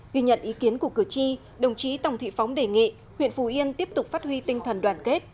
ghi nhận ý kiến của cử tri đồng chí tòng thị phóng đề nghị huyện phù yên tiếp tục phát huy tinh thần đoàn kết